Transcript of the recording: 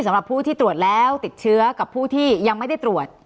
สำหรับผู้ที่ตรวจแล้วติดเชื้อกับผู้ที่ยังไม่ได้ตรวจ